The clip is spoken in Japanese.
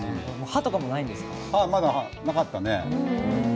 歯は、まだなかったね。